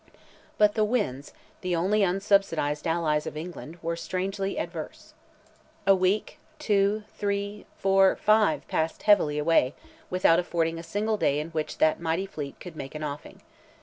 But the winds, "the only unsubsidized allies of England," were strangely adverse. A week, two, three, four, five, passed heavily away, without affording a single day in which that mighty fleet could make an offing.